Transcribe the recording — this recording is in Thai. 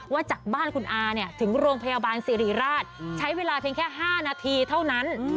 จากบ้านคุณอาเนี่ยถึงโรงพยาบาลสิริราชใช้เวลาเพียงแค่๕นาทีเท่านั้น